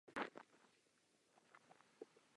Přímá konkurence v pravém smyslu slova nebyla.